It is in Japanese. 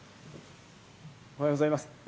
おはようございます。